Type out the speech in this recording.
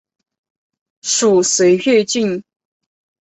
属绥越郡。